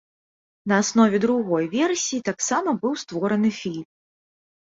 На аснове другой версіі таксама быў створаны фільм.